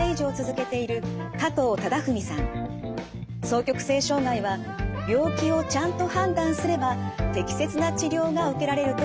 双極性障害は病気をちゃんと判断すれば適切な治療が受けられるといいます。